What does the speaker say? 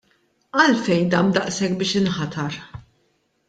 Għalfejn dam daqshekk biex inħatar?